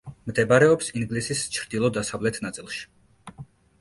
მდებარეობს ინგლისის ჩრდილო–დასავლეთ ნაწილში.